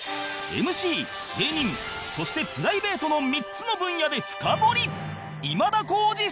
ＭＣ 芸人そしてプライベートの３つの分野で深掘り！